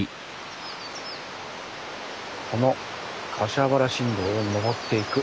この柏原新道を登っていく。